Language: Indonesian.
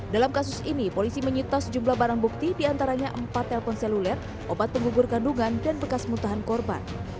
dalam kasus ini polisi menyita sejumlah barang bukti diantaranya empat telpon seluler obat penggugur kandungan dan bekas muntahan korban